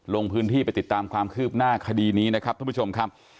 ลงพื้นที่ไปติดตามความคืบหน้าคดีนี้นะครับท่านผู้ชมครับ